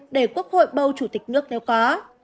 để quốc hội bầu chủ tịch nước nếu có